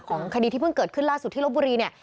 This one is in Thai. ของคดีที่เพิ่งเกิดขึ้นล่าสุดที่ลบบุรีเนี่ย